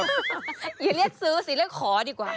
อย่าเรียกซื้อสิเรียกขอดีกว่า